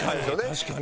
確かに。